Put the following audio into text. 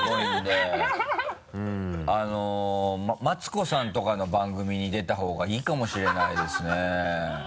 マツコさんとかの番組に出た方がいいかもしれないですね。